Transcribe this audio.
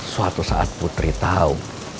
suatu saat putri tau